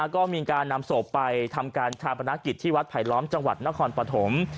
ก็มีการนำศพไปทำการชาปนกิจที่วัดไผลล้อมจังหวัดนครปฐม